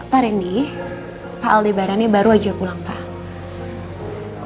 pak rendy pak albarannya baru aja pulang pak